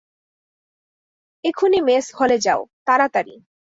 এখুনি মেস হলে যাও, তাড়াতাড়ি!